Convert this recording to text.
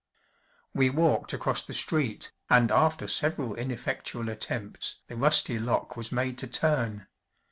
We walked across the street and after several ineffectual attempts the rusty lock was made to turn.